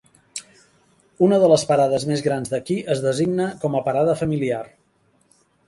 Una de les parades més grans d'aquí es designa com a parada familiar.